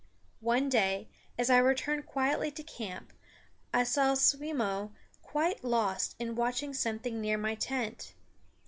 One day, as I returned quietly to camp, I saw Simmo quite lost in watching something near my tent.